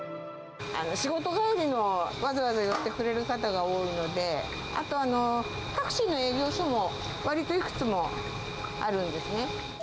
仕事帰りのわざわざ寄ってくれる方が多いので、あと、タクシーの営業所もわりといくつもあるんですね。